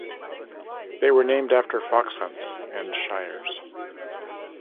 They were named after fox hunts and shires.